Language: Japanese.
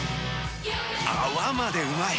泡までうまい！